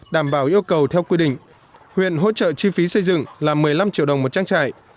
đảm bảo yêu cầu theo quy định huyện hỗ trợ chi phí xây dựng là một mươi năm triệu đồng một trang trại